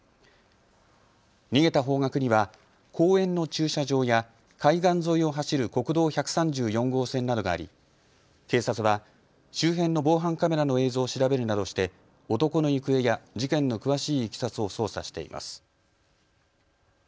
逃げた方角には公園の駐車場や海岸沿いを走る国道１３４号線などがあり警察は周辺の防犯カメラの映像を調べるなどして男の行方や事件の詳しいいきさつを捜査しています。